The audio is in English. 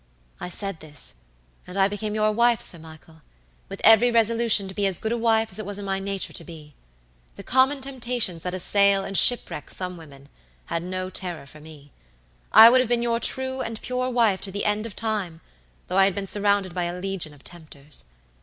I said this, and I became your wife, Sir Michael, with every resolution to be as good a wife as it was in my nature to be. The common temptations that assail and shipwreck some women had no terror for me. I would have been your true and pure wife to the end of time, though I had been surrounded by a legion of tempters.